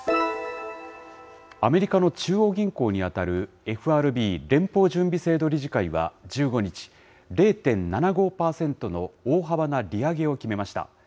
アメリカの中央銀行に当たるＦＲＢ・連邦準備制度理事会は、１５日、０．７５％の大幅な利上げを決めました。